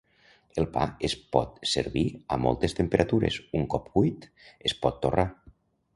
El pa es pot servir a moltes temperatures; un cop cuit, es pot torrar.